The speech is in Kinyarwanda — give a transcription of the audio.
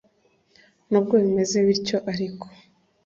n’ubwo bimeze bityo ariko